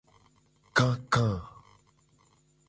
Kaka.